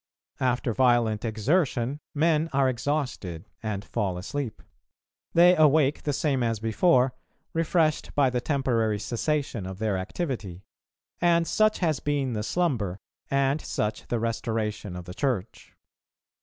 After violent exertion men are exhausted and fall asleep; they awake the same as before, refreshed by the temporary cessation of their activity; and such has been the slumber and such the restoration of the Church.